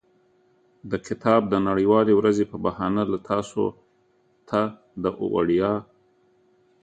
د کتاب د نړیوالې ورځې په بهانه له تاسو ته د وړیا.